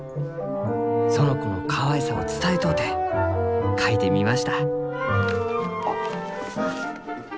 「園子のかわいさを伝えとうて描いてみました」。